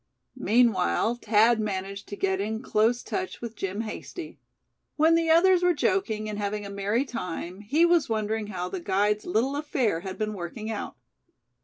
Meanwhile Thad managed to get in close touch with Jim Hasty. When the others were joking, and having a merry time, he was wondering how the guide's little affair had been working out.